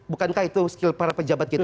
bukankah itu skill para pejabat kita